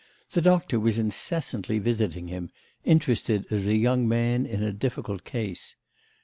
The doctor was incessantly visiting him, interested as a young man in a difficult case.